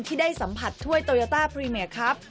ที่ได้สัมผัสถ้วยโตยาต้าพรีเมคครับ